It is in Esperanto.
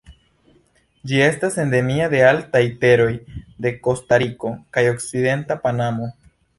Ĝi estas endemia de altaj teroj de Kostariko kaj okcidenta Panamo.